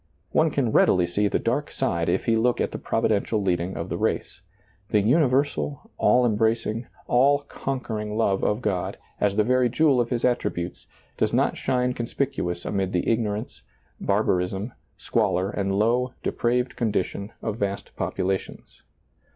One can readily see the dark side if he look at the providential leading of the race. The universal, all embracing, all conquering love of God, as the very jewel of His attributes, does not .shine conspicuous amid the ignorance, barbarism, squalor, and low, depraved condition of vast popu lations.